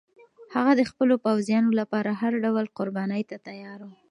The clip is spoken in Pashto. هغه د خپلو پوځیانو لپاره هر ډول قربانۍ ته تیار و.